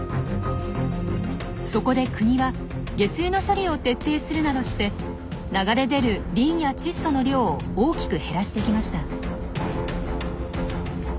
そこで国は下水の処理を徹底するなどして流れ出るリンや窒素の量を大きく減らしてきました。